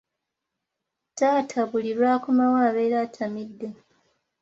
Taata buli lw'akomawo abeera atamidde.